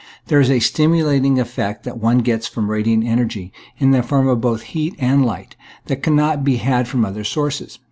There is a stimulating effect that one gets from radiant energy, in the form of both heat and light, that cannot be had from other sources.